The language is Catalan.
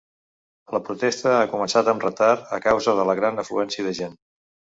La protesta ha començat amb retard a causa de la gran afluència de gent.